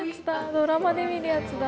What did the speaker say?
ドラマで見るやつだ。